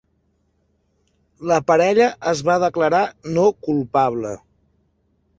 La parella es va declarar no culpable.